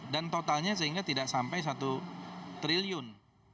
dan totalnya sehingga tidak sampai rp satu triliun